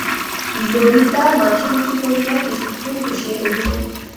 ললিতা মাথা নিচু করিয়া কিছুক্ষণ বসিয়া রহিল।